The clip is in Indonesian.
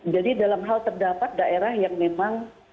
jadi dalam hal terdapat daerah yang memang